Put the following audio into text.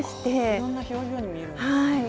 いろんな表情に見えるんですね。